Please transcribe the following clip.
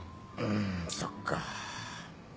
んそっか。